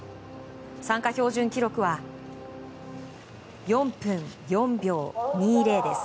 参加標準記録は４分４秒２０です。